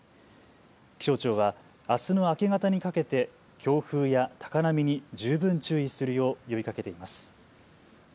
気象庁はあすの明け方にかけて強風や高波に十分注意するよう呼びかけています。